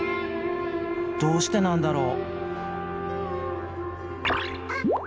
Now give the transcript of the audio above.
どうしてなんだろう？